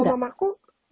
kalau mama aku